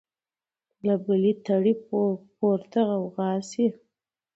له بلي تړي پورته غوغا سي